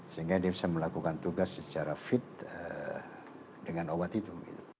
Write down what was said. sehingga dia bisa melakukan tugas secara fit dengan obat itu